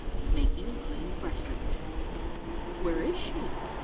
MAKING A CLEAN BREAST OF IT. "Where is she?